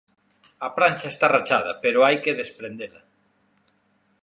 A prancha está rachada, pero hai que desprendela.